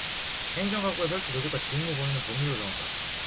행정각부의 설치, 조직과 직무범위는 법률로 정한다.